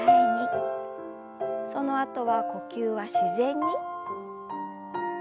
そのあとは呼吸は自然に。